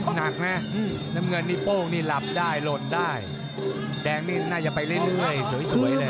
หนักนะน้ำเงินนี่โป้งนี่หลับได้หล่นได้แดงนี่น่าจะไปเรื่อยสวยเลย